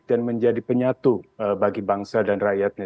dan menjadi penyatu bagi bangsa dan rakyatnya